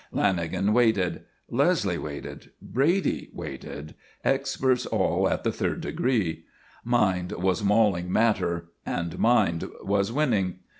Lanagan waited; Leslie waited; Brady waited experts all at the third degree. Mind was mauling matter and mind was winning.